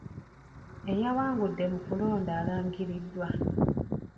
Eyawangudde mu kulonda alangiriddwa.